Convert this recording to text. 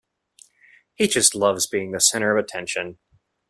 He just loves being the center of attention.